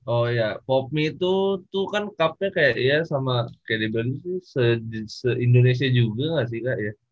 oh iya popme itu tuh kan cupnya kayak iya sama dbl itu se indonesia juga gak sih kak ya